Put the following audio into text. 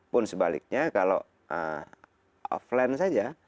pun sebaliknya kalau offline saja